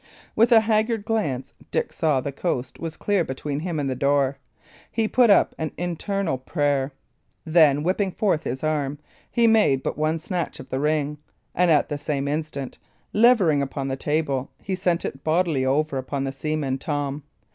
With a haggard glance, Dick saw the coast was clear between him and the door. He put up an internal prayer. Then whipping forth his arm, he made but one snatch of the ring, and at the same instant, levering up the table, he sent it bodily over upon the seaman Tom.